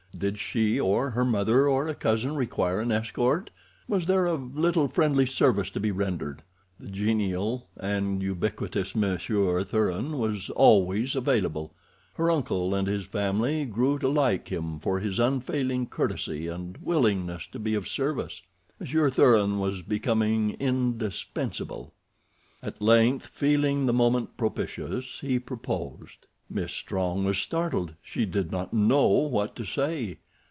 Did she or her mother or a cousin require an escort—was there a little friendly service to be rendered, the genial and ubiquitous Monsieur Thuran was always available. Her uncle and his family grew to like him for his unfailing courtesy and willingness to be of service. Monsieur Thuran was becoming indispensable. At length, feeling the moment propitious, he proposed. Miss Strong was startled. She did not know what to say.